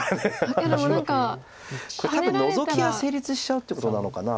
ああこれノゾキが成立しちゃうってことなのかな。